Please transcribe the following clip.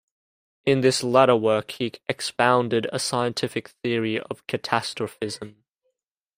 In this latter work he expounded a scientific theory of Catastrophism.